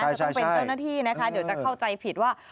จะต้องเป็นเจ้าหน้าที่นะคะเดี๋ยวจะเข้าใจผิดว่า